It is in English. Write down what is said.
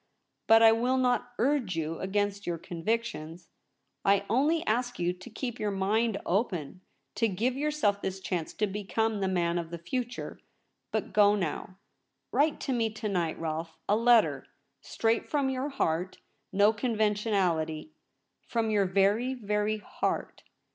But I will not urge you against your convictions. I only ask you to keep your mind open — to give yourself this chance to become the man of the future. But go now. Write to me to night, Rolfe — a letter straight from your heart — no conventionality ! From your very, very heart.'